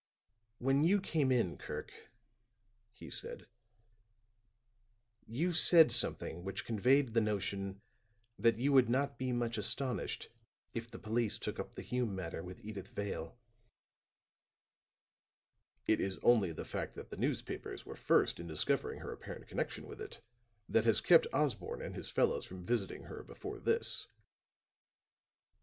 "When you came in, Kirk," he said, "you said something which conveyed the notion that you would not be much astonished if the police took up the Hume matter with Edyth Vale." "It is only the fact that the newspapers were first in discovering her apparent connection with it, that has kept Osborne and his fellows from visiting her before this.